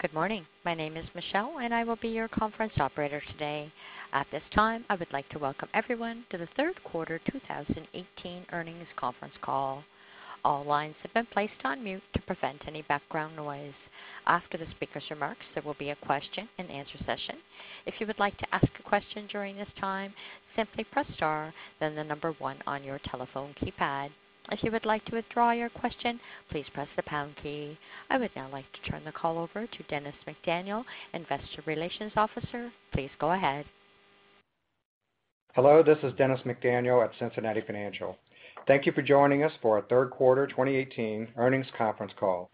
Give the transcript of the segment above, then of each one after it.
Good morning. My name is Michelle, and I will be your conference operator today. At this time, I would like to welcome everyone to the third quarter 2018 earnings conference call. All lines have been placed on mute to prevent any background noise. After the speaker's remarks, there will be a question and answer session. If you would like to ask a question during this time, simply press star, then 1 on your telephone keypad. If you would like to withdraw your question, please press the pound key. I would now like to turn the call over to Dennis McDaniel, Investor Relations Officer. Please go ahead. Hello, this is Dennis McDaniel at Cincinnati Financial. Thank you for joining us for our third quarter 2018 earnings conference call.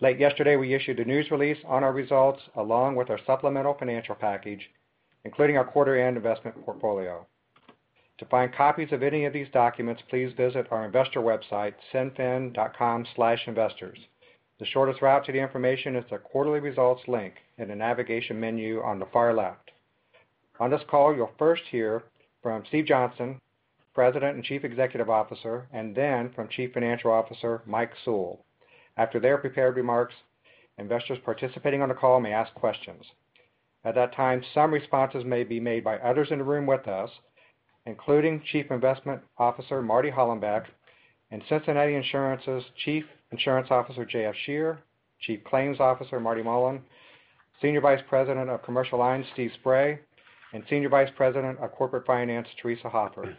Late yesterday, we issued a news release on our results, along with our supplemental financial package, including our quarterly and investment portfolio. To find copies of any of these documents, please visit our investor website, cinfin.com/investors. The shortest route to the information is the quarterly results link in the navigation menu on the far left. On this call, you'll first hear from Steven Johnston, President and Chief Executive Officer, then from Chief Financial Officer Michael Sewell. After their prepared remarks, investors participating on the call may ask questions. At that time, some responses may be made by others in the room with us, including Chief Investment Officer Martin Hollenbeck and The Cincinnati Insurance Company's Chief Insurance Officer J.F. Scherer, Chief Claims Officer Martin Mullen, Senior Vice President of Commercial Lines Stephen Spray, and Senior Vice President of Corporate Finance Theresa Hoffer.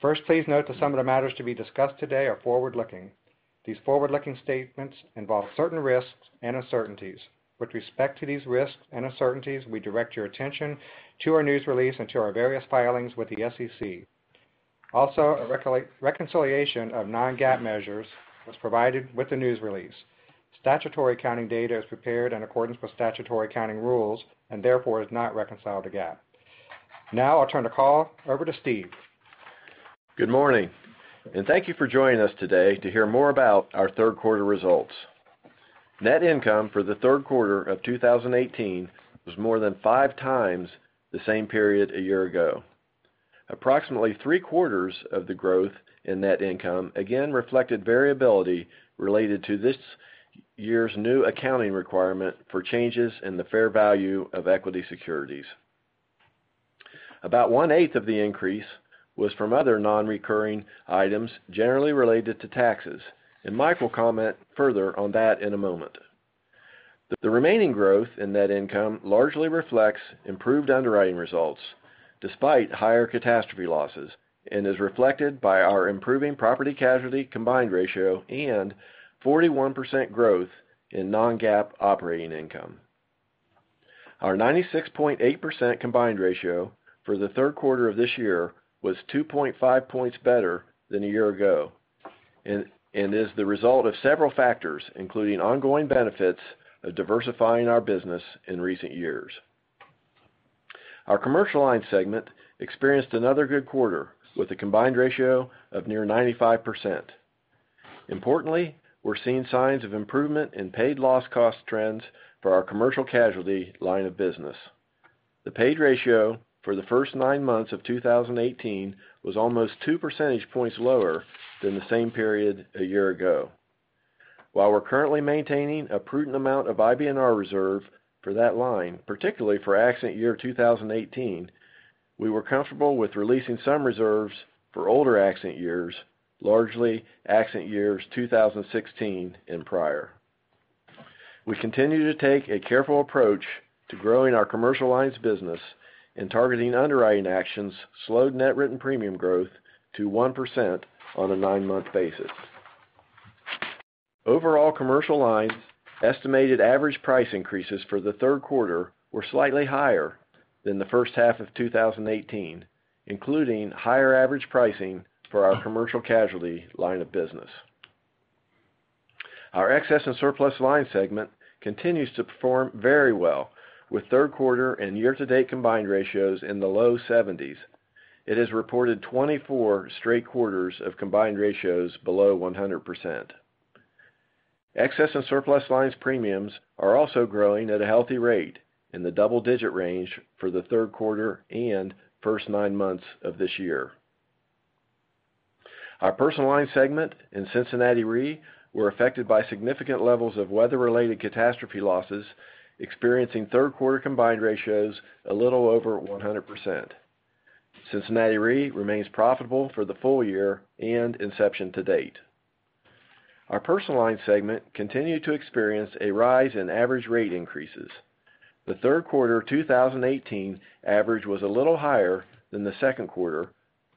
First, please note that some of the matters to be discussed today are forward-looking. These forward-looking statements involve certain risks and uncertainties. With respect to these risks and uncertainties, we direct your attention to our news release and to our various filings with the SEC. A reconciliation of non-GAAP measures was provided with the news release. Statutory accounting data is prepared in accordance with statutory accounting rules and therefore is not reconciled to GAAP. I'll turn the call over to Steve. Good morning, thank you for joining us today to hear more about our third quarter results. Net income for the third quarter of 2018 was more than five times the same period a year ago. Approximately three-quarters of the growth in net income again reflected variability related to this year's new accounting requirement for changes in the fair value of equity securities. About one-eighth of the increase was from other non-recurring items generally related to taxes, Mike will comment further on that in a moment. The remaining growth in net income largely reflects improved underwriting results despite higher catastrophe losses and is reflected by our improving property casualty combined ratio and 41% growth in non-GAAP operating income. Our 96.8% combined ratio for the third quarter of this year was 2.5 points better than a year ago and is the result of several factors, including ongoing benefits of diversifying our business in recent years. Our Commercial Lines segment experienced another good quarter with a combined ratio of near 95%. Importantly, we're seeing signs of improvement in paid loss cost trends for our commercial casualty line of business. The paid ratio for the first nine months of 2018 was almost 2 percentage points lower than the same period a year ago. While we're currently maintaining a prudent amount of IBNR reserve for that line, particularly for accident year 2018, we were comfortable with releasing some reserves for older accident years, largely accident years 2016 and prior. We continue to take a careful approach to growing our Commercial Lines business. Targeting underwriting actions slowed net written premium growth to 1% on a nine-month basis. Overall Commercial Lines estimated average price increases for the third quarter were slightly higher than the first half of 2018, including higher average pricing for our commercial casualty line of business. Our Excess & Surplus Lines segment continues to perform very well with third quarter and year-to-date combined ratios in the low 70s. It has reported 24 straight quarters of combined ratios below 100%. Excess & Surplus Lines premiums are also growing at a healthy rate in the double-digit range for the third quarter and first nine months of this year. Our Personal Lines segment and Cincinnati Re were affected by significant levels of weather-related catastrophe losses, experiencing third quarter combined ratios a little over 100%. Cincinnati Re remains profitable for the full year and inception to date. Our Personal Lines segment continued to experience a rise in average rate increases. The third quarter 2018 average was a little higher than the second quarter,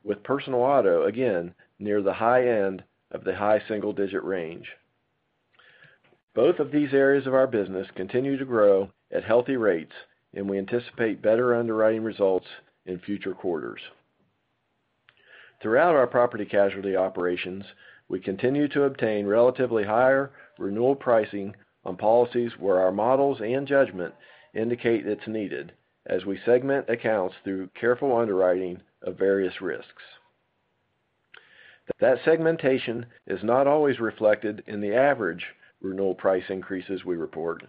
with personal auto again near the high end of the high single-digit range. Both of these areas of our business continue to grow at healthy rates. We anticipate better underwriting results in future quarters. Throughout our Property Casualty operations, we continue to obtain relatively higher renewal pricing on policies where our models and judgment indicate it's needed as we segment accounts through careful underwriting of various risks. That segmentation is not always reflected in the average renewal price increases we report.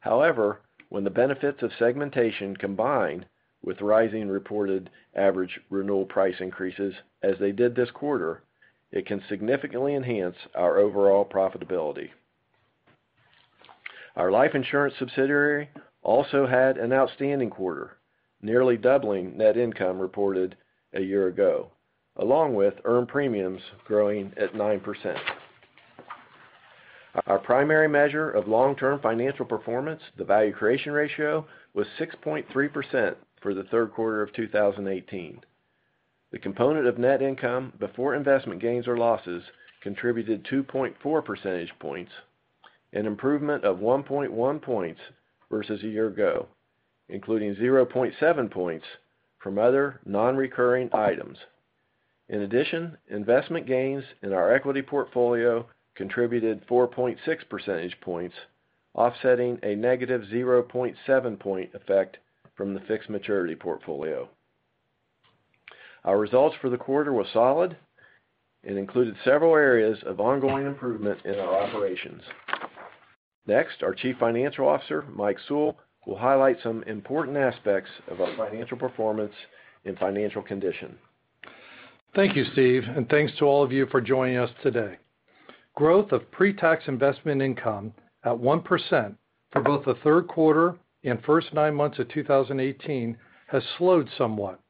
However, when the benefits of segmentation combined with rising reported average renewal price increases as they did this quarter, it can significantly enhance our overall profitability. Our life insurance subsidiary also had an outstanding quarter, nearly doubling net income reported a year ago, along with earned premiums growing at 9%. Our primary measure of long-term financial performance, the value creation ratio, was 6.3% for the third quarter of 2018. The component of net income before investment gains or losses contributed 2.4 percentage points, an improvement of 1.1 points versus a year ago, including 0.7 points from other non-recurring items. In addition, investment gains in our equity portfolio contributed 4.6 percentage points, offsetting a negative 0.7 point effect from the fixed maturity portfolio. Our results for the quarter were solid and included several areas of ongoing improvement in our operations. Next, our Chief Financial Officer, Michael Sewell, will highlight some important aspects of our financial performance and financial condition. Thank you, Steve, and thanks to all of you for joining us today. Growth of pre-tax investment income at 1% for both the third quarter and first nine months of 2018 has slowed somewhat,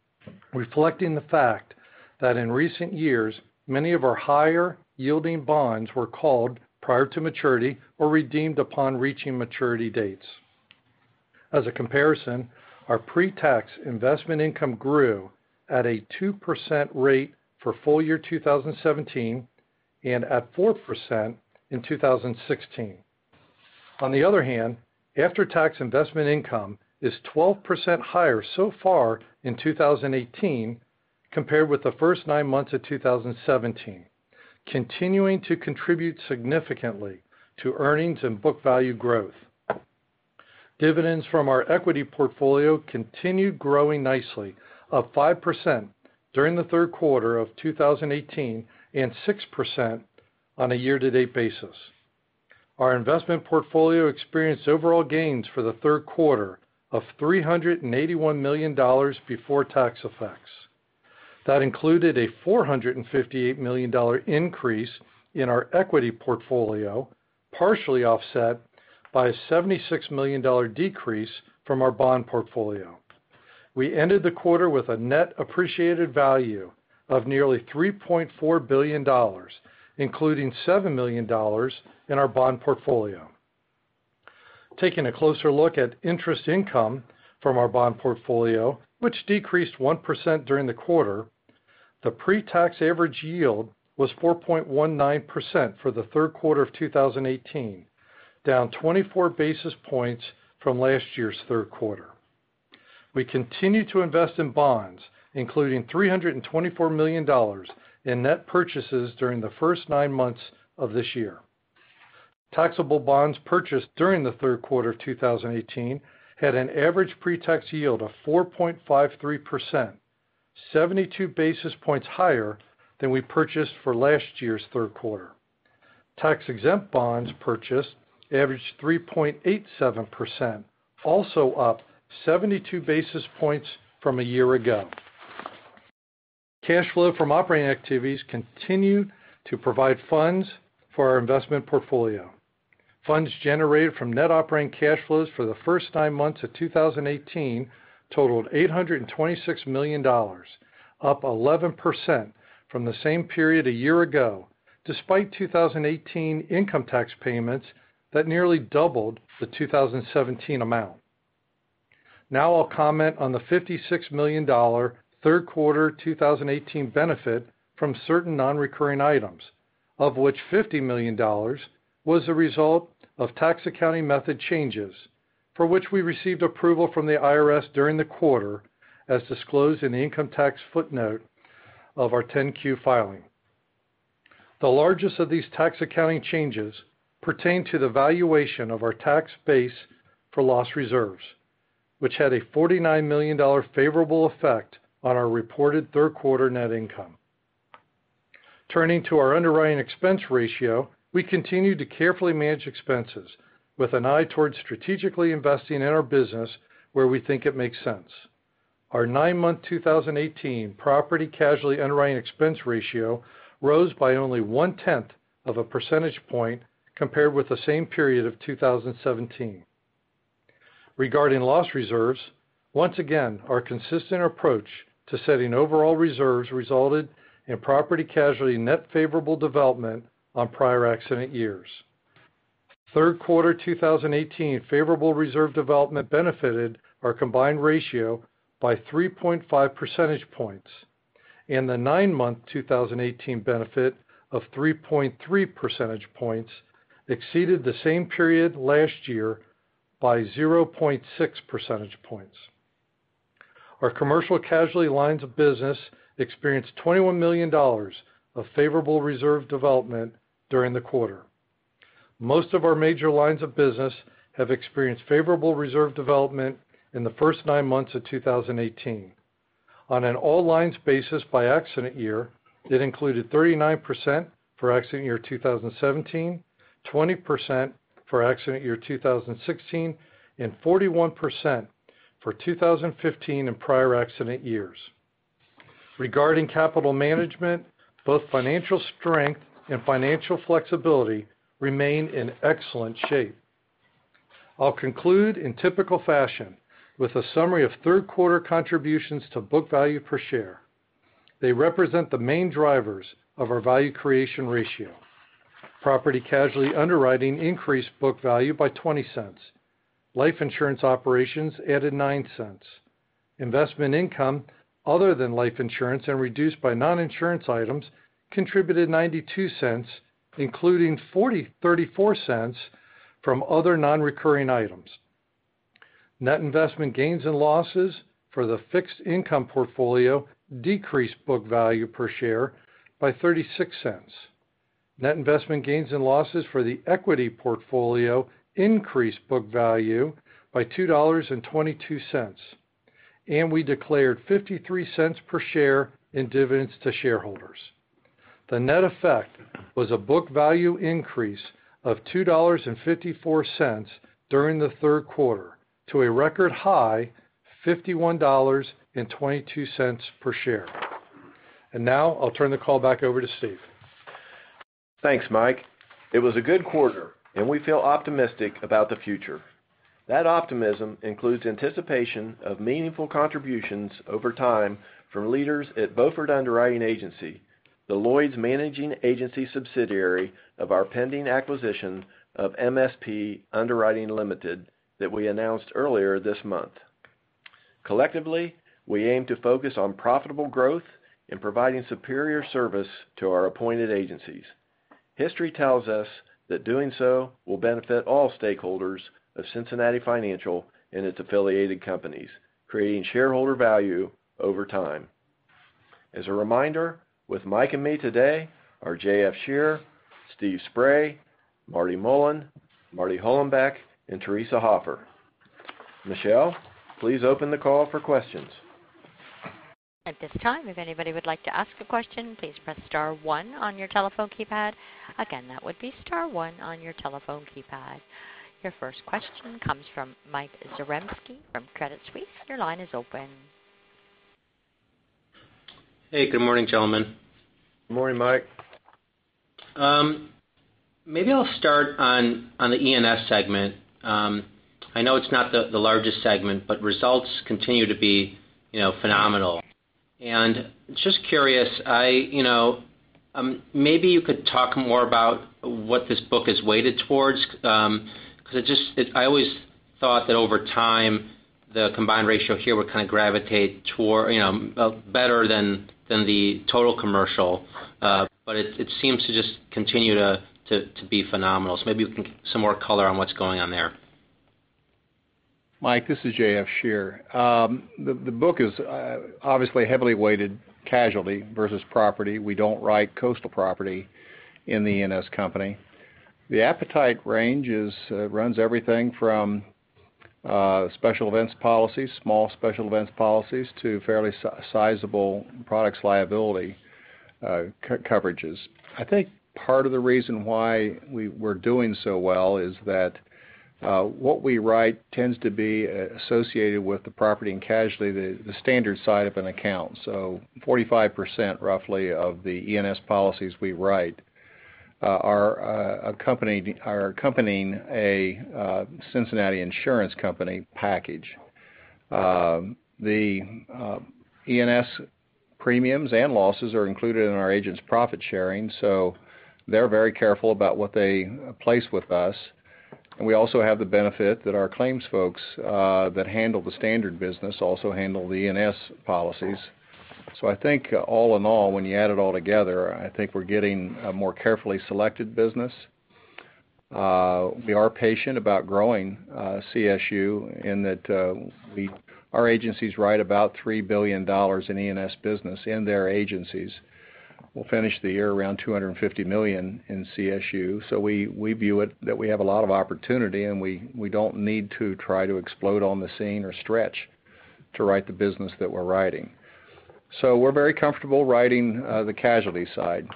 reflecting the fact that in recent years, many of our higher-yielding bonds were called prior to maturity or redeemed upon reaching maturity dates. As a comparison, our pre-tax investment income grew at a 2% rate for full year 2017 and at 4% in 2016. On the other hand, after-tax investment income is 12% higher so far in 2018 compared with the first nine months of 2017, continuing to contribute significantly to earnings and book value growth. Dividends from our equity portfolio continued growing nicely of 5% during the third quarter of 2018 and 6% on a year-to-date basis. Our investment portfolio experienced overall gains for the third quarter of $381 million before tax effects. That included a $458 million increase in our equity portfolio, partially offset by a $76 million decrease from our bond portfolio. We ended the quarter with a net appreciated value of nearly $3.4 billion, including $7 million in our bond portfolio. Taking a closer look at interest income from our bond portfolio, which decreased 1% during the quarter, the pre-tax average yield was 4.19% for the third quarter of 2018, down 24 basis points from last year's third quarter. We continue to invest in bonds, including $324 million in net purchases during the first nine months of this year. Taxable bonds purchased during the third quarter of 2018 had an average pre-tax yield of 4.53%, 72 basis points higher than we purchased for last year's third quarter. Tax-exempt bonds purchased averaged 3.87%, also up 72 basis points from a year ago. Cash flow from operating activities continued to provide funds for our investment portfolio. Funds generated from net operating cash flows for the first nine months of 2018 totaled $826 million, up 11% from the same period a year ago, despite 2018 income tax payments that nearly doubled the 2017 amount. Now I'll comment on the $56 million third quarter 2018 benefit from certain non-recurring items, of which $50 million was a result of tax accounting method changes, for which we received approval from the IRS during the quarter as disclosed in the income tax footnote of our 10-Q filing. The largest of these tax accounting changes pertain to the valuation of our tax base for loss reserves, which had a $49 million favorable effect on our reported third-quarter net income. Turning to our underwriting expense ratio, we continue to carefully manage expenses with an eye toward strategically investing in our business where we think it makes sense. Our nine-month 2018 property casualty underwriting expense ratio rose by only one-tenth of a percentage point compared with the same period of 2017. Regarding loss reserves, once again, our consistent approach to setting overall reserves resulted in property casualty net favorable development on prior accident years. Third quarter 2018 favorable reserve development benefited our combined ratio by 3.5 percentage points, and the nine-month 2018 benefit of 3.3 percentage points exceeded the same period last year by 0.6 percentage points. Our commercial casualty lines of business experienced $21 million of favorable reserve development during the quarter. Most of our major lines of business have experienced favorable reserve development in the first nine months of 2018. On an all-lines basis by accident year, it included 39% for accident year 2017, 20% for accident year 2016, and 41% for 2015 and prior accident years. Regarding capital management, both financial strength and financial flexibility remain in excellent shape. I'll conclude in typical fashion with a summary of third quarter contributions to book value per share. They represent the main drivers of our value creation ratio. Property casualty underwriting increased book value by $0.20. Life insurance operations added $0.09. Investment income other than life insurance and reduced by non-insurance items contributed $0.92, including $0.34 from other non-recurring items. Net investment gains and losses for the fixed income portfolio decreased book value per share by $0.36. Net investment gains and losses for the equity portfolio increased book value by $2.22. We declared $0.53 per share in dividends to shareholders. The net effect was a book value increase of $2.54 during the third quarter to a record high $51.22 per share. Now I'll turn the call back over to Steve. Thanks, Mike. It was a good quarter, and we feel optimistic about the future. That optimism includes anticipation of meaningful contributions over time from leaders at Beaufort Underwriting Agency, the Lloyd's managing agency subsidiary of our pending acquisition of MSP Underwriting Limited that we announced earlier this month. Collectively, we aim to focus on profitable growth and providing superior service to our appointed agencies. History tells us that doing so will benefit all stakeholders of Cincinnati Financial and its affiliated companies, creating shareholder value over time. As a reminder, with Mike and me today are J.F. Scherer, Steve Spray, Marty Mullen, Marty Hollenbeck, and Theresa Hoffer. Michelle, please open the call for questions. At this time, if anybody would like to ask a question, please press star one on your telephone keypad. Again, that would be star one on your telephone keypad. Your first question comes from Mike Zaremski from Credit Suisse. Your line is open. Hey, good morning, gentlemen. Good morning, Mike. Maybe I'll start on the E&S segment. I know it's not the largest segment, but results continue to be phenomenal. Just curious, maybe you could talk more about what this book is weighted towards, because I always thought that over time, the combined ratio here would kind of gravitate better than the total commercial. It seems to just continue to be phenomenal. Maybe you can give some more color on what's going on there. Mike, this is J.F. Scherer. The book is obviously heavily weighted casualty versus property. We don't write coastal property in the E&S company. The appetite range runs everything from special events policies, small special events policies, to fairly sizable products liability coverages. I think part of the reason why we're doing so well is that what we write tends to be associated with the property and casualty, the standard side of an account. 45% roughly of the E&S policies we write are accompanying a Cincinnati Insurance Company package. The E&S premiums and losses are included in our agents' profit sharing, so they're very careful about what they place with us. We also have the benefit that our claims folks that handle the standard business also handle the E&S policies. I think all in all, when you add it all together, I think we're getting a more carefully selected business. We are patient about growing CSU in that our agencies write about $3 billion in E&S business in their agencies. We'll finish the year around $250 million in CSU. We view it that we have a lot of opportunity, and we don't need to try to explode on the scene or stretch to write the business that we're writing. We're very comfortable writing the casualty side.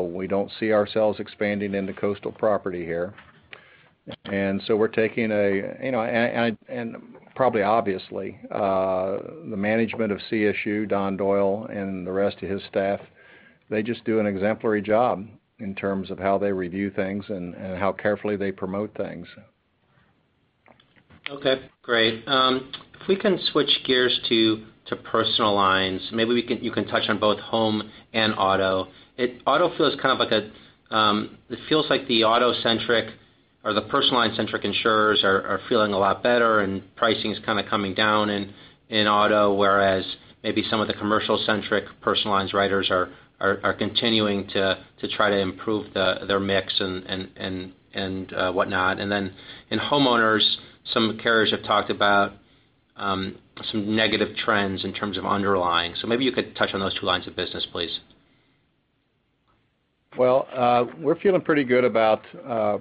We don't see ourselves expanding into coastal property here. Probably obviously, the management of CSU, Don Doyle, and the rest of his staff, they just do an exemplary job in terms of how they review things and how carefully they promote things. Okay, great. If we can switch gears to personal lines, maybe you can touch on both home and auto. It feels like the auto-centric or the personal line-centric insurers are feeling a lot better, and pricing is kind of coming down in auto, whereas maybe some of the commercial-centric personal lines writers are continuing to try to improve their mix and whatnot. Then in homeowners, some carriers have talked about some negative trends in terms of underlying. Maybe you could touch on those two lines of business, please. Well, we're feeling pretty good about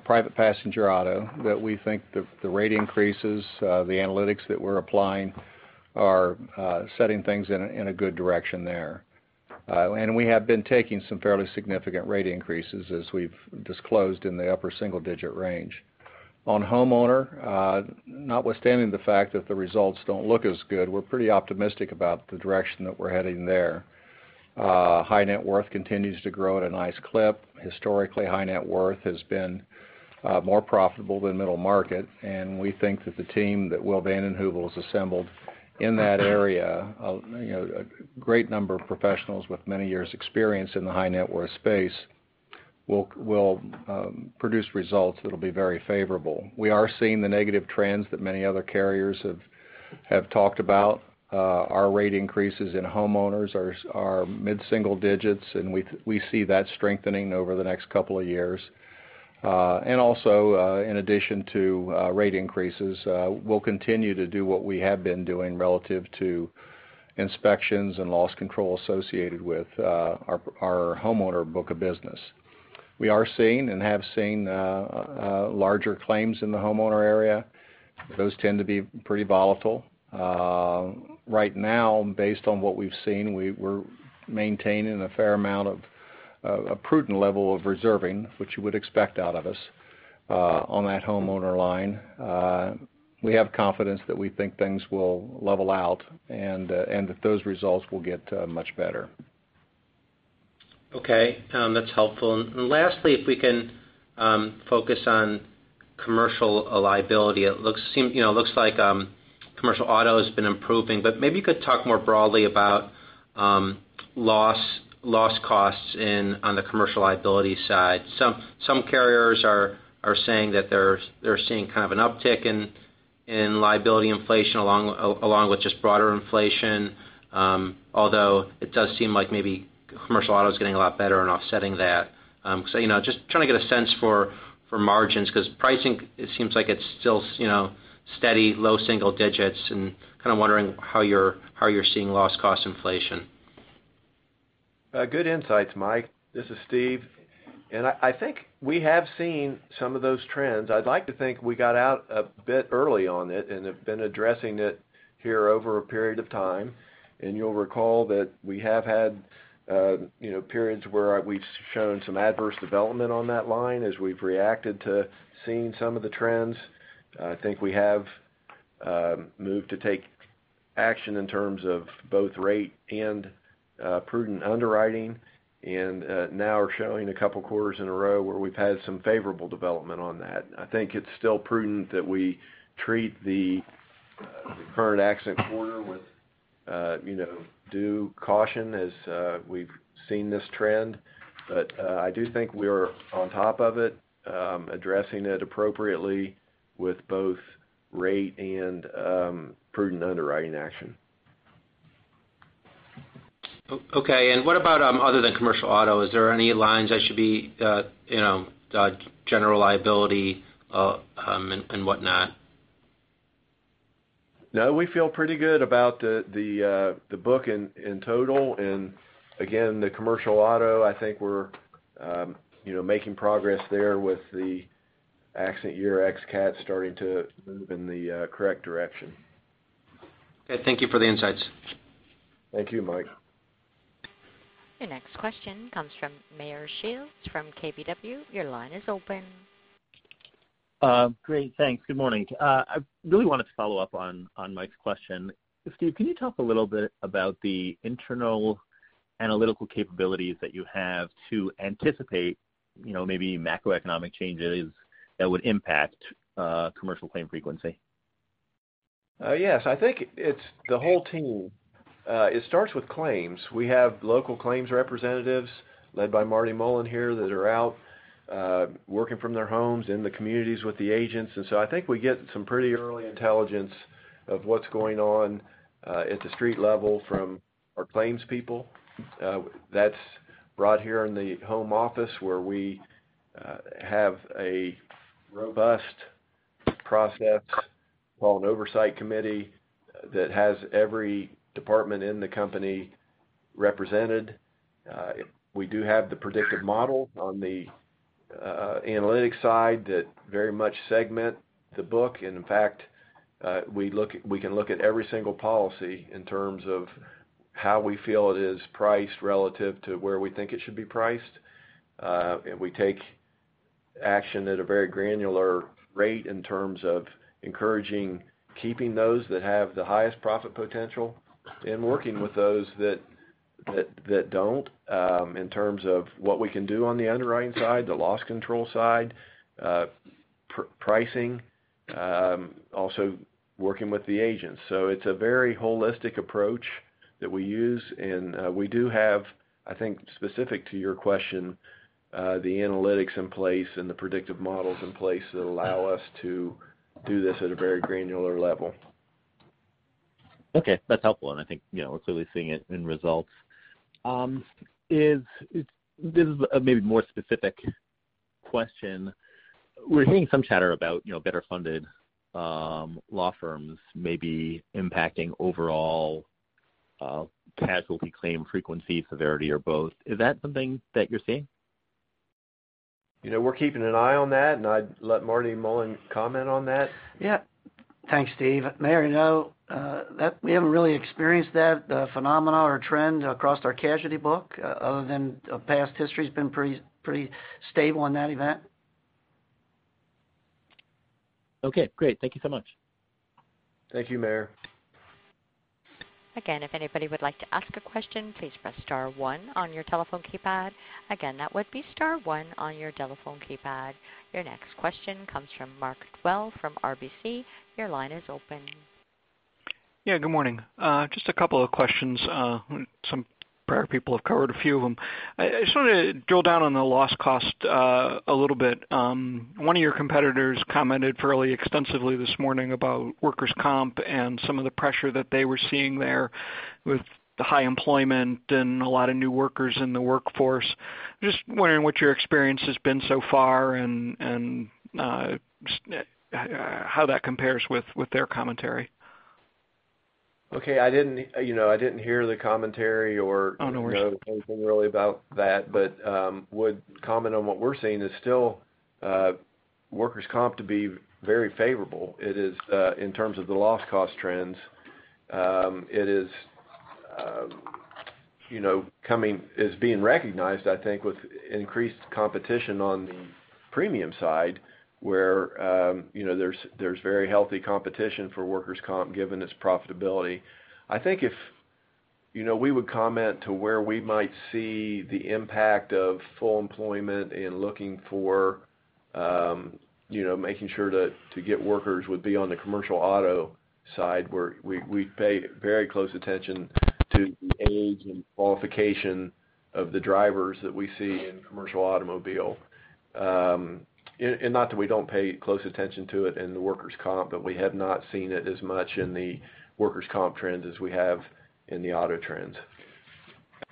private passenger auto, that we think the rate increases, the analytics that we're applying are setting things in a good direction there. We have been taking some fairly significant rate increases as we've disclosed in the upper single-digit range. On homeowner, notwithstanding the fact that the results don't look as good, we're pretty optimistic about the direction that we're heading there. High net worth continues to grow at a nice clip. Historically, high net worth has been more profitable than middle market, and we think that the team that Will VandenHeuvel has assembled in that area, a great number of professionals with many years' experience in the high net worth space, will produce results that'll be very favorable. We are seeing the negative trends that many other carriers have talked about. Our rate increases in homeowners are mid-single digits, we see that strengthening over the next couple of years. Also, in addition to rate increases, we'll continue to do what we have been doing relative to inspections and loss control associated with our homeowner book of business. We are seeing and have seen larger claims in the homeowner area. Those tend to be pretty volatile. Right now, based on what we've seen, we're maintaining a fair amount of a prudent level of reserving, which you would expect out of us on that homeowner line. We have confidence that we think things will level out and that those results will get much better. Okay. That's helpful. Lastly, if we can focus on commercial liability. It looks like commercial auto has been improving, maybe you could talk more broadly about loss costs on the commercial liability side. Some carriers are saying that they're seeing kind of an uptick in liability inflation along with just broader inflation, although it does seem like maybe commercial auto is getting a lot better and offsetting that. Just trying to get a sense for margins, because pricing, it seems like it's still steady, low single digits, and kind of wondering how you're seeing loss cost inflation. Good insights, Mike. This is Steve. I think we have seen some of those trends. I'd like to think we got out a bit early on it and have been addressing it here over a period of time. You'll recall that we have had periods where we've shown some adverse development on that line as we've reacted to seeing some of the trends. I think we have moved to take action in terms of both rate and prudent underwriting, and now are showing a couple of quarters in a row where we've had some favorable development on that. I think it's still prudent that we treat the current accident quarter with due caution as we've seen this trend. I do think we are on top of it, addressing it appropriately with both rate and prudent underwriting action. Okay, what about other than commercial auto? Is there any lines that should be, general liability, and whatnot? No, we feel pretty good about the book in total. Again, the commercial auto, I think we're making progress there with the accident year ex-cat starting to move in the correct direction. Okay. Thank you for the insights. Thank you, Mike. Your next question comes from Meyer Shields from KBW. Your line is open. Great. Thanks. Good morning. I really wanted to follow up on Mike's question. Steve, can you talk a little bit about the internal analytical capabilities that you have to anticipate maybe macroeconomic changes that would impact commercial claim frequency? Yes. I think it's the whole team. It starts with claims. We have local claims representatives led by Martin Mullen here that are out, working from their homes in the communities with the agents. So I think we get some pretty early intelligence of what's going on at the street level from our claims people. That's brought here in the home office where we have a robust process called an oversight committee that has every department in the company represented. We do have the predictive model on the analytics side that very much segment the book. In fact, we can look at every single policy in terms of how we feel it is priced relative to where we think it should be priced. We take action at a very granular rate in terms of encouraging keeping those that have the highest profit potential and working with those that don't, in terms of what we can do on the underwriting side, the loss control side, pricing. Also working with the agents. It's a very holistic approach that we use, and we do have, I think specific to your question, the analytics in place and the predictive models in place that allow us to do this at a very granular level. Okay. That's helpful. I think we're clearly seeing it in results. This is a maybe more specific question. We're hearing some chatter about better funded law firms maybe impacting overall casualty claim frequency, severity, or both. Is that something that you're seeing? We're keeping an eye on that. I'd let Martin Mullen comment on that. Yeah. Thanks, Steve. Meyer, no, we haven't really experienced that phenomena or trend across our casualty book other than past history's been pretty stable in that event. Okay, great. Thank you so much. Thank you, Meyer. Again, if anybody would like to ask a question, please press star one on your telephone keypad. Again, that would be star one on your telephone keypad. Your next question comes from Mark Dwelle from RBC. Your line is open. Yeah, good morning. Just a couple of questions. Some prior people have covered a few of them. I just want to drill down on the loss cost a little bit. One of your competitors commented fairly extensively this morning about workers' comp and some of the pressure that they were seeing there with the high employment and a lot of new workers in the workforce. Just wondering what your experience has been so far and how that compares with their commentary. Okay. I didn't hear the commentary. Oh, no worries. I know anything really about that. Would comment on what we're seeing is still workers' comp to be very favorable. In terms of the loss cost trends, it is being recognized, I think, with increased competition on the premium side, where there's very healthy competition for workers' comp, given its profitability. I think if we would comment to where we might see the impact of full employment in looking for making sure to get workers would be on the commercial auto side, where we pay very close attention to the age and qualification of the drivers that we see in commercial automobile. Not that we don't pay close attention to it in the workers' comp, but we have not seen it as much in the workers' comp trends as we have in the auto trends.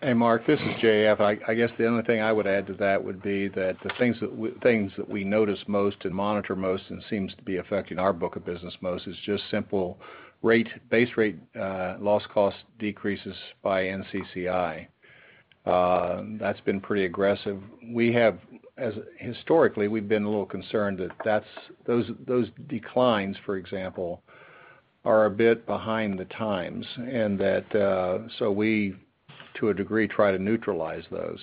Hey, Mark, this is J.F. I guess the only thing I would add to that would be that the things that we notice most and monitor most and seems to be affecting our book of business most is just simple base rate loss cost decreases by NCCI. That's been pretty aggressive. Historically, we've been a little concerned that those declines, for example, are a bit behind the times, so we, to a degree, try to neutralize those.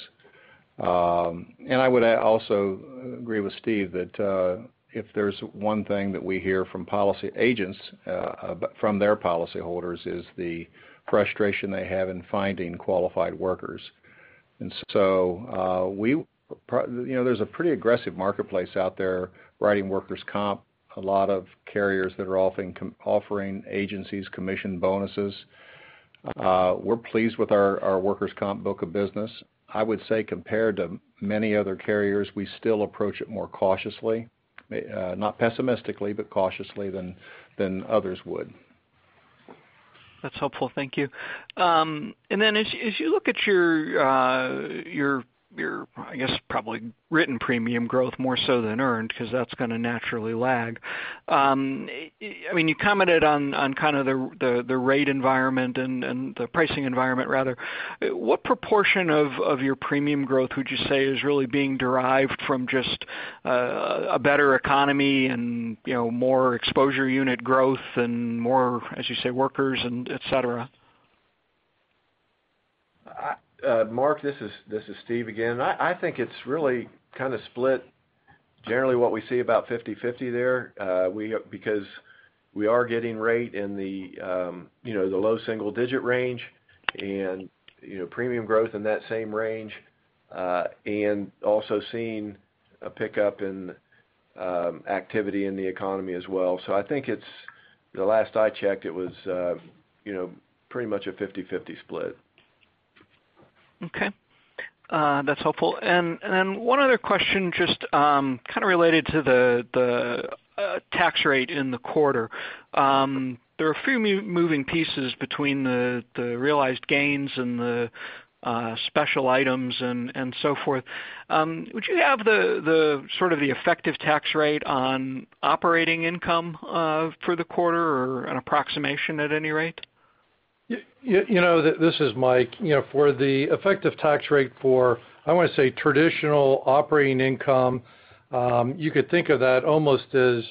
I would also agree with Steve that, if there's one thing that we hear from policy agents from their policyholders, is the frustration they have in finding qualified workers. There's a pretty aggressive marketplace out there writing workers' comp. A lot of carriers that are offering agencies commission bonuses. We're pleased with our workers' comp book of business. I would say compared to many other carriers, we still approach it more cautiously. Not pessimistically, but cautiously than others would. That's helpful. Thank you. As you look at your, I guess, probably written premium growth more so than earned, because that's going to naturally lag. You commented on the rate environment and the pricing environment, rather. What proportion of your premium growth would you say is really being derived from just a better economy and more exposure unit growth and more, as you say, workers and et cetera? Mark, this is Steve again. I think it's really kind of split. Generally, what we see about 50/50 there because we are getting rate in the low single-digit range and premium growth in that same range. Also seeing a pickup in activity in the economy as well. The last I checked it was pretty much a 50/50 split. Okay. That's helpful. One other question, just kind of related to the tax rate in the quarter. There are a few moving pieces between the realized gains and the special items and so forth. Would you have the effective tax rate on operating income for the quarter or an approximation at any rate? This is Mike. For the effective tax rate for, I want to say, traditional operating income, you could think of that almost as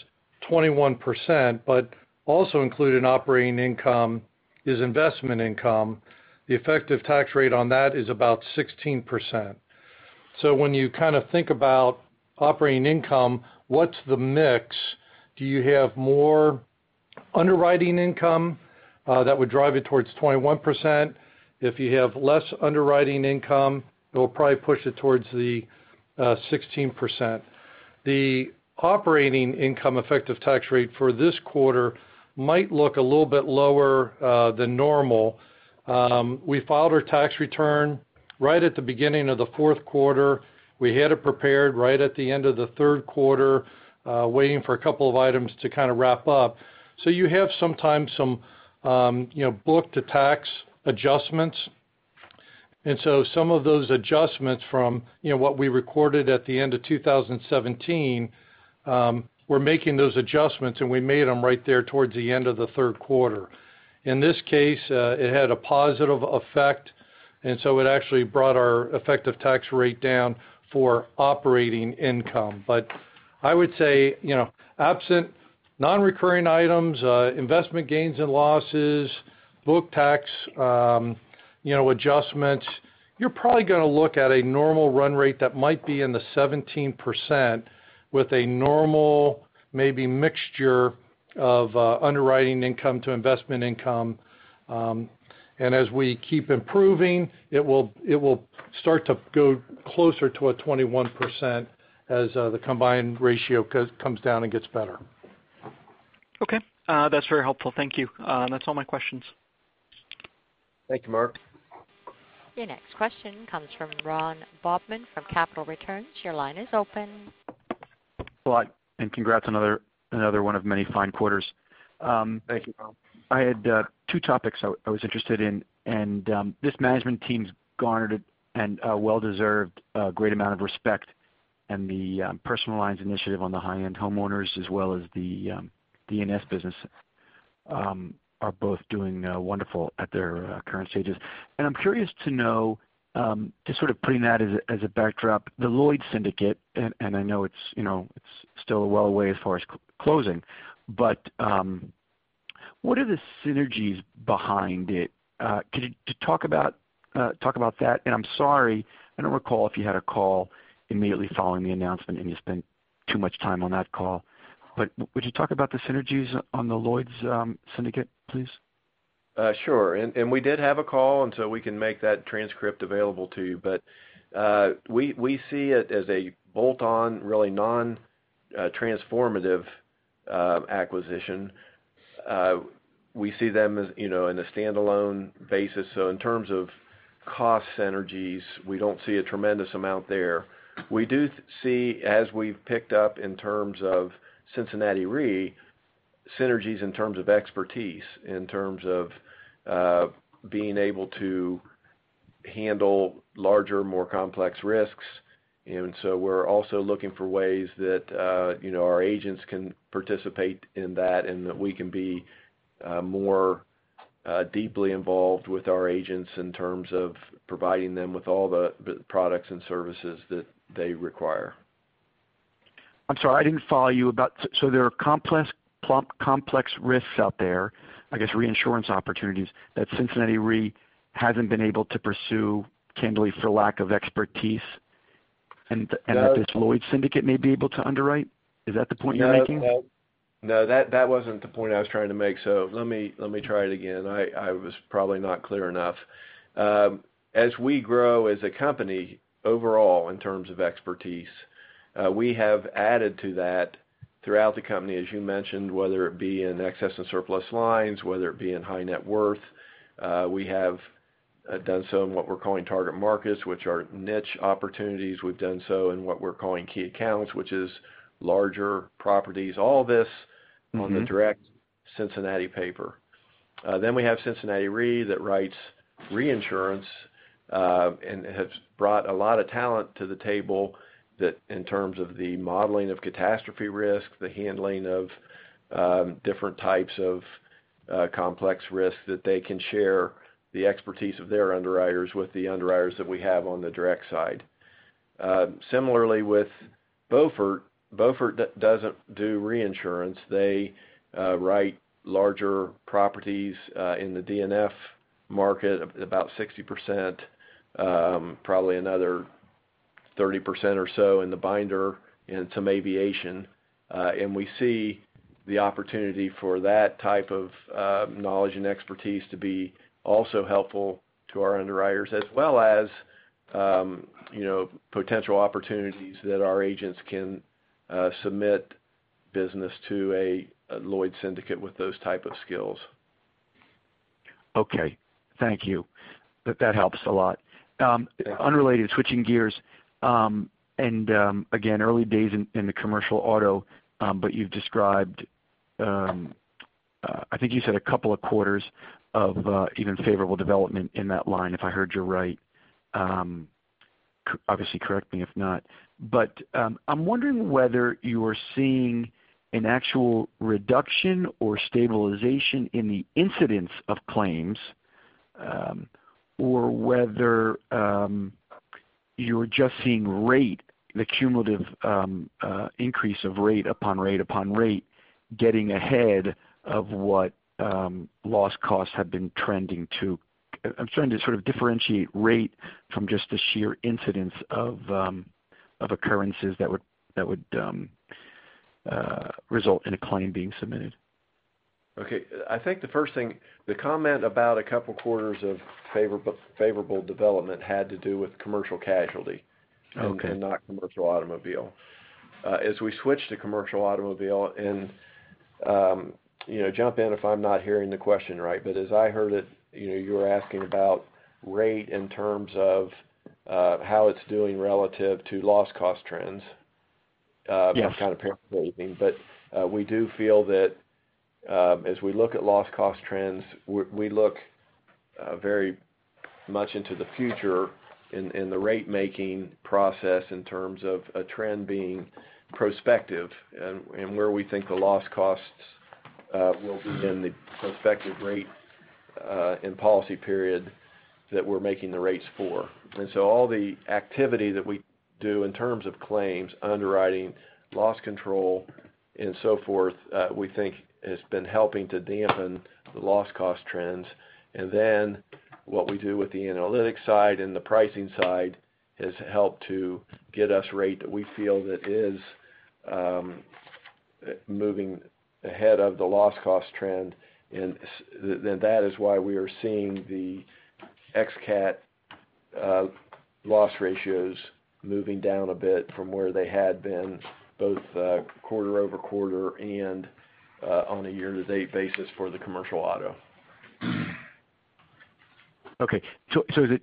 21%, but also included in operating income is investment income. The effective tax rate on that is about 16%. When you think about operating income, what's the mix? Do you have more underwriting income? That would drive it towards 21%. If you have less underwriting income, it will probably push it towards the 16%. The operating income effective tax rate for this quarter might look a little bit lower than normal. We filed our tax return right at the beginning of the fourth quarter. We had it prepared right at the end of the third quarter, waiting for a couple of items to wrap up. You have sometimes some book-to-tax adjustments. Some of those adjustments from what we recorded at the end of 2017, we're making those adjustments, and we made them right there towards the end of the third quarter. In this case, it had a positive effect It actually brought our effective tax rate down for operating income. I would say, absent non-recurring items, investment gains and losses, book tax adjustments, you're probably going to look at a normal run rate that might be in the 17% with a normal, maybe mixture of underwriting income to investment income. As we keep improving, it will start to go closer to a 21% as the combined ratio comes down and gets better. Okay. That's very helpful. Thank you. That's all my questions. Thank you, Mark. Your next question comes from Ron Bobman from Capital Returns. Your line is open. Hello, congrats on another one of many fine quarters. Thank you, Ron. I had two topics I was interested in. This management team's garnered a well-deserved great amount of respect, and the Personal Lines initiative on the high-end homeowners, as well as the E&S business are both doing wonderful at their current stages. I'm curious to know, just sort of putting that as a backdrop, the Lloyd's Syndicate, and I know it's still a while away as far as closing, but what are the synergies behind it? Could you talk about that? I'm sorry, I don't recall if you had a call immediately following the announcement and you spent too much time on that call. Would you talk about the synergies on the Lloyd's Syndicate, please? Sure. We did have a call, and so we can make that transcript available to you. We see it as a bolt-on, really non-transformative acquisition. We see them in a standalone basis. In terms of cost synergies, we don't see a tremendous amount there. We do see, as we've picked up in terms of Cincinnati Re, synergies in terms of expertise, in terms of being able to handle larger, more complex risks. We're also looking for ways that our agents can participate in that, and that we can be more deeply involved with our agents in terms of providing them with all the products and services that they require. I'm sorry, I didn't follow you about. There are complex risks out there, I guess reinsurance opportunities, that Cincinnati Re hasn't been able to pursue, candidly, for lack of expertise, and that this Lloyd's Syndicate may be able to underwrite? Is that the point you're making? No, that wasn't the point I was trying to make, so let me try it again. I was probably not clear enough. As we grow as a company overall in terms of expertise, we have added to that throughout the company, as you mentioned, whether it be in excess and surplus lines, whether it be in high net worth. We have done so in what we're calling target markets, which are niche opportunities. We've done so in what we're calling key accounts, which is larger properties. All this on the direct Cincinnati paper. We have Cincinnati Re that writes reinsurance and has brought a lot of talent to the table that in terms of the modeling of catastrophe risk, the handling of different types of complex risks that they can share the expertise of their underwriters with the underwriters that we have on the direct side. Similarly with Beaufort doesn't do reinsurance. They write larger properties in the D&F market, about 60%, probably another 30% or so in the binder and some aviation. We see the opportunity for that type of knowledge and expertise to be also helpful to our underwriters, as well as potential opportunities that our agents can submit business to a Lloyd's Syndicate with those type of skills. Okay. Thank you. That helps a lot. Yeah. Unrelated, switching gears. Again, early days in the commercial auto, but you've described, I think you said a couple of quarters of even favorable development in that line, if I heard you right. Obviously correct me if not. I'm wondering whether you're seeing an actual reduction or stabilization in the incidence of claims, or whether you're just seeing rate, the cumulative increase of rate upon rate upon rate, getting ahead of what loss costs have been trending to. I'm trying to sort of differentiate rate from just the sheer incidence of occurrences that would result in a claim being submitted. Okay. I think the first thing, the comment about a couple of quarters of favorable development had to do with commercial casualty- Okay Not commercial automobile. As we switch to commercial automobile, and jump in if I'm not hearing the question right, but as I heard it, you were asking about rate in terms of how it's doing relative to loss cost trends. Yes. I'm kind of paraphrasing. We do feel that as we look at loss cost trends, we look very much into the future in the rate-making process in terms of a trend being prospective and where we think the loss costs will be in the prospective rate and policy period that we're making the rates for. All the activity that we do in terms of claims, underwriting, loss control, and so forth, we think has been helping to dampen the loss cost trends. What we do with the analytics side and the pricing side has helped to get us rate that we feel that is moving ahead of the loss cost trend. That is why we are seeing the ex-cat loss ratios moving down a bit from where they had been, both quarter-over-quarter and on a year-to-date basis for the commercial auto. Okay. Do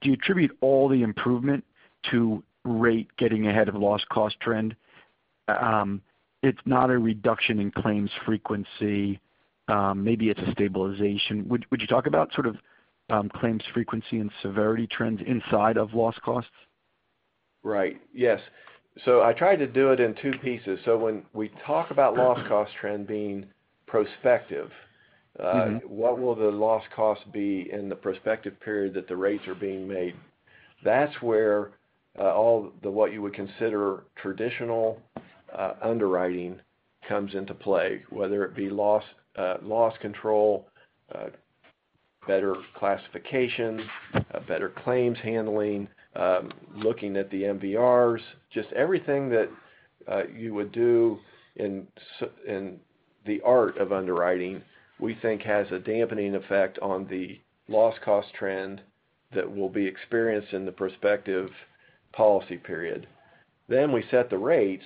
you attribute all the improvement to rate getting ahead of loss cost trend? It's not a reduction in claims frequency. Maybe it's a stabilization. Would you talk about claims frequency and severity trends inside of loss costs? Right. Yes. I tried to do it in two pieces. When we talk about loss cost trend being prospective, what will the loss cost be in the prospective period that the rates are being made? That's where all what you would consider traditional underwriting comes into play, whether it be loss control, better classification, better claims handling, looking at the MVRs, just everything that you would do in the art of underwriting, we think has a dampening effect on the loss cost trend that will be experienced in the prospective policy period. We set the rates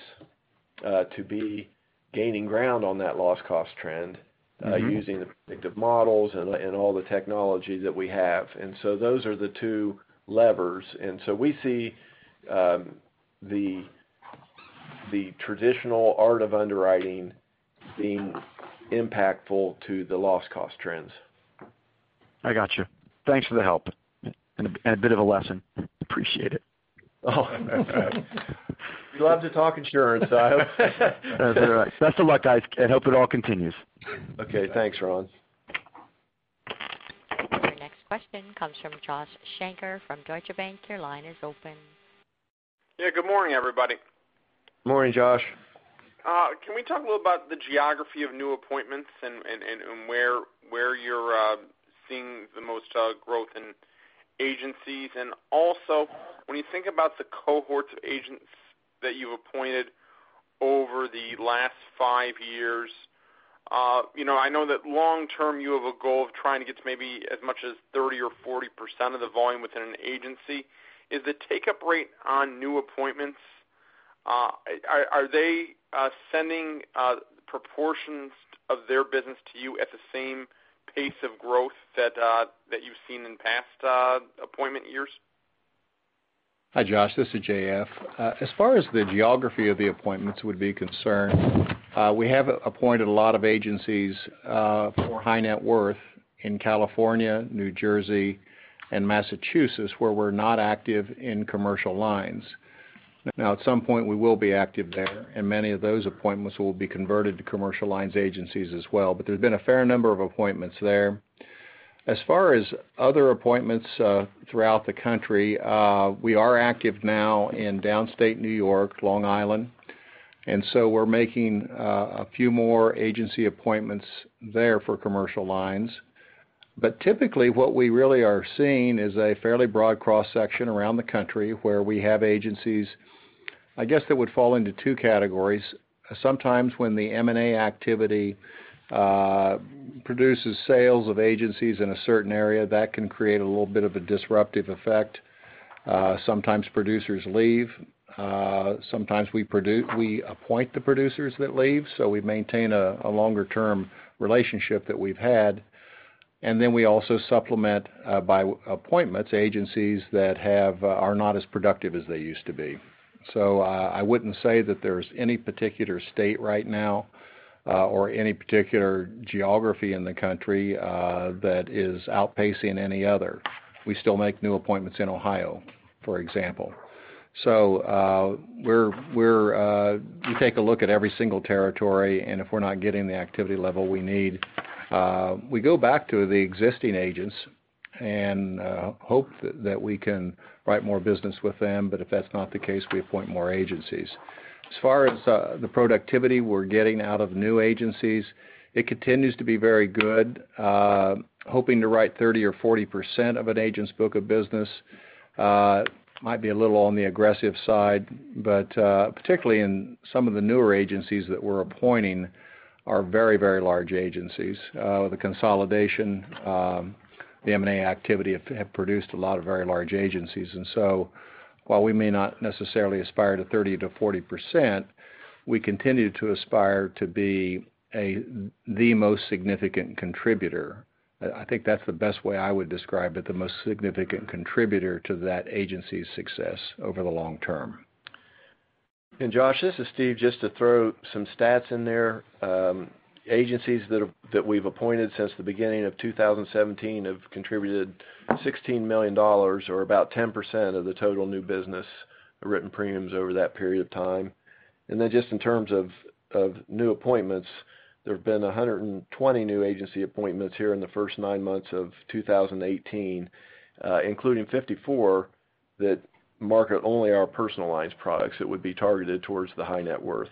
to be gaining ground on that loss cost trend using the predictive models and all the technology that we have. Those are the two levers. We see the traditional art of underwriting being impactful to the loss cost trends. I got you. Thanks for the help and a bit of a lesson. Appreciate it. We love to talk insurance. Best of luck, guys. Hope it all continues. Okay. Thanks, Ron. Your next question comes from Josh Shanker from Deutsche Bank. Your line is open. Yeah. Good morning, everybody. Morning, Josh. Can we talk a little about the geography of new appointments and where you're seeing the most growth in agencies? Also, when you think about the cohorts of agents that you've appointed over the last five years, I know that long term, you have a goal of trying to get to maybe as much as 30% or 40% of the volume within an agency. Is the take-up rate on new appointments, are they sending proportions of their business to you at the same pace of growth that you've seen in past appointment years? Hi, Josh. This is J.F. As far as the geography of the appointments would be concerned, we have appointed a lot of agencies for high net worth in California, New Jersey, and Massachusetts, where we're not active in commercial lines. At some point, we will be active there, and many of those appointments will be converted to commercial lines agencies as well. There's been a fair number of appointments there. As far as other appointments throughout the country, we are active now in downstate New York, Long Island, and so we're making a few more agency appointments there for commercial lines. Typically, what we really are seeing is a fairly broad cross-section around the country where we have agencies, I guess, that would fall into 2 categories. Sometimes when the M&A activity produces sales of agencies in a certain area, that can create a little bit of a disruptive effect. Sometimes producers leave. Sometimes we appoint the producers that leave, so we maintain a longer-term relationship that we've had. We also supplement by appointments, agencies that are not as productive as they used to be. I wouldn't say that there's any particular state right now or any particular geography in the country that is outpacing any other. We still make new appointments in Ohio, for example. We take a look at every single territory, and if we're not getting the activity level we need, we go back to the existing agents and hope that we can write more business with them. If that's not the case, we appoint more agencies. As far as the productivity we're getting out of new agencies, it continues to be very good. Hoping to write 30% or 40% of an agent's book of business might be a little on the aggressive side, but particularly in some of the newer agencies that we're appointing are very large agencies. The consolidation, the M&A activity have produced a lot of very large agencies. While we may not necessarily aspire to 30%-40%, we continue to aspire to be the most significant contributor. I think that's the best way I would describe it, the most significant contributor to that agency's success over the long term. Josh, this is Steve. Just to throw some stats in there, agencies that we've appointed since the beginning of 2017 have contributed $16 million or about 10% of the total new business written premiums over that period of time. Just in terms of new appointments, there have been 120 new agency appointments here in the first nine months of 2018, including 54 that market only our personal lines products that would be targeted towards the high net worth.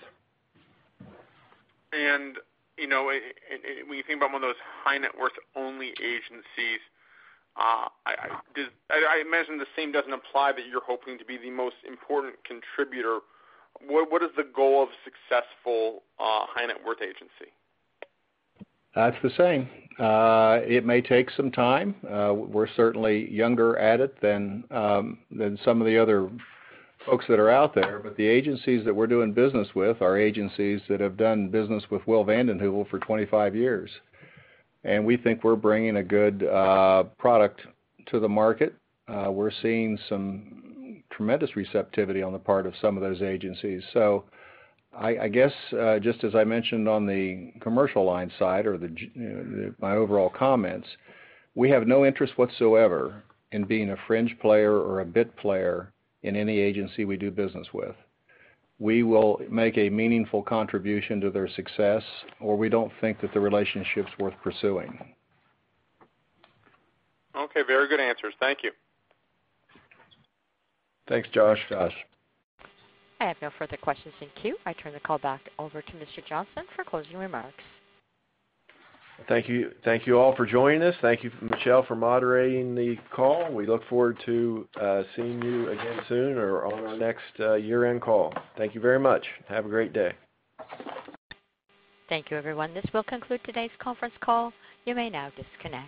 When you think about one of those high net worth only agencies, I imagine the same doesn't apply that you're hoping to be the most important contributor. What is the goal of successful high net worth agency? That's the same. It may take some time. We're certainly younger at it than some of the other folks that are out there. The agencies that we're doing business with are agencies that have done business with Will VandenHeuvel for 25 years, we think we're bringing a good product to the market. We're seeing some tremendous receptivity on the part of some of those agencies. I guess, just as I mentioned on the commercial lines side or my overall comments, we have no interest whatsoever in being a fringe player or a bit player in any agency we do business with. We will make a meaningful contribution to their success, or we don't think that the relationship's worth pursuing. Very good answers. Thank you. Thanks, Josh. Thanks. I have no further questions in queue. I turn the call back over to Mr. Johnston for closing remarks. Thank you all for joining us. Thank you, Michelle, for moderating the call. We look forward to seeing you again soon or on our next year-end call. Thank you very much. Have a great day. Thank you, everyone. This will conclude today's conference call. You may now disconnect.